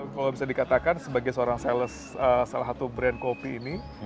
kalau bisa dikatakan sebagai seorang sales salah satu brand kopi ini